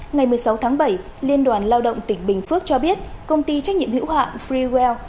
ngày một mươi sáu tháng bảy liên đoàn lao động tỉnh bình phước cho biết công ty trách nhiệm hữu hạng freewell